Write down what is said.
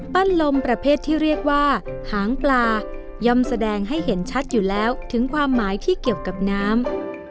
ลมประเภทที่เรียกว่าหางปลาย่อมแสดงให้เห็นชัดอยู่แล้วถึงความหมายที่เกี่ยวกับน้ำ